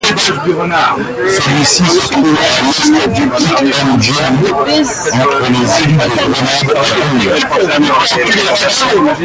Celui-ci se trouve à l'Est du Kick-'em-Jenny, entre les îles de Grenade et Ronde.